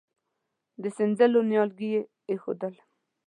د سينځلو نيالګي يې اېښودل.